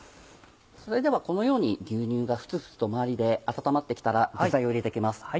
それではこのように牛乳がフツフツと周りで温まって来たら具材を入れて行きます。